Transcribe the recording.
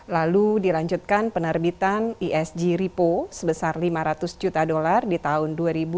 lalu dilanjutkan penerbitan esg repo sebesar lima ratus juta dolar di tahun dua ribu dua puluh